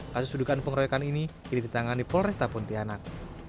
kasus sudukan pengeroyokan ini jadi ditangani polres kota pontianak